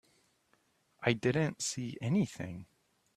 I didn't see anything.